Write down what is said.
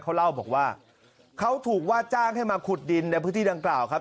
เขาเล่าบอกว่าเขาถูกว่าจ้างให้มาขุดดินในพื้นที่ดังกล่าวครับ